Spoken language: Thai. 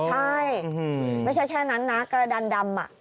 ใช่ไม่ใช่แค่นั้นนะกระดันดำ